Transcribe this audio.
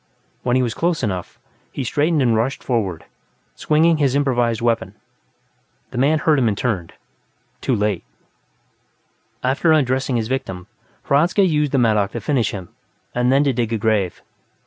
When he was close enough, he straightened and rushed forward, swinging his improvised weapon. The man heard him and turned, too late. After undressing his victim, Hradzka used the mattock to finish him, and then to dig a grave.